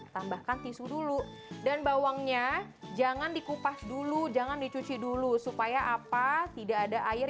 tambahkan tisu dulu dan bawangnya jangan dikupas dulu jangan dicuci dulu supaya apa tidak ada air